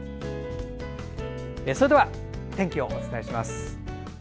それでは、天気をお伝えします。